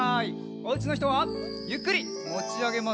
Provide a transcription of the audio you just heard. おうちのひとはゆっくりもちあげますよ。